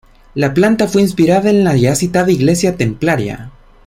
La planta fue inspirada en la ya citada iglesia templaria.